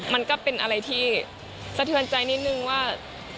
มันก็เป็นอะไรที่สะเทือนใจนิดนึงว่า